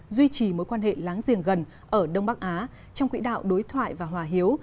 duy trì mối quan hệ láng giềng gần ở đông bắc á trong quỹ đạo đối thoại và hòa hiếu